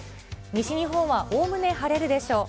西日本はおおむね晴れるでしょう。